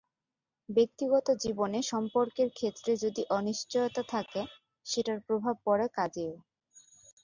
ব্যক্তিগত জীবনে সম্পর্কের ক্ষেত্রে যদি অনিশ্চয়তা থাকে, সেটার প্রভাব পড়ে কাজেও।